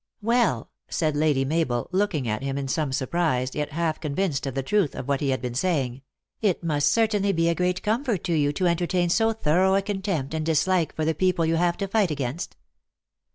" Well," said Lady Mabel, looking at him in some surprise, yet half convinced of the truth of what he had been saying. " It must certainly be a great com fort to you to entertain so thorough a contempt and dislike for the people you have to tight against."